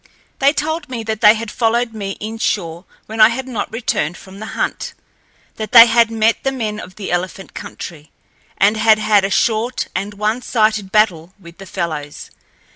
They told me that they had followed me inshore when I had not returned from the hunt, that they had met the men of the elephant country, and had had a short and one sided battle with the fellows.